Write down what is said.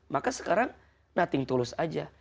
maka sekarang nothing tulus aja